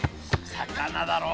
魚だろ？